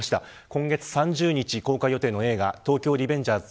今月３０日公開予定の映画東京リベンジャーズ